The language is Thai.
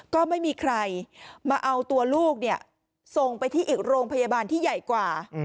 ก็ไม่มีใครมาเอาตัวลูกส่งไปที่อีกโรงพยาบาลที่ใหญ่กว่า